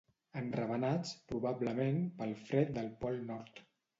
Enravenats, probablement pel fred del Pol Nord.